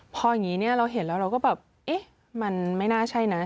พออย่างนี้เราเห็นแล้วเราก็แบบเอ๊ะมันไม่น่าใช่นะ